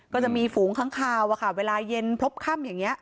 ก็จะมีฝูงข้างเวลาเย็นพลบข้ำอย่างนี้